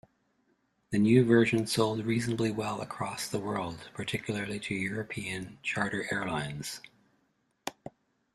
The new version sold reasonably well across the world, particularly to European charter airlines.